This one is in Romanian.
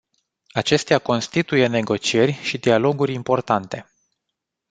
Acestea constituie negocieri și dialoguri importante.